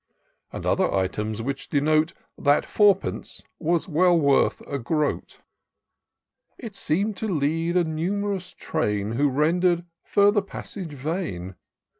317 And other items, which denote That four pence is well worth a groat. It seem'd to lead a num'rous train Who render'd further passage vain.